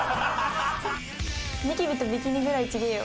ニキビとビキニぐらい違えよ。